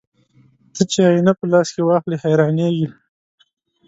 ته چې آيينه په لاس کې واخلې حيرانېږې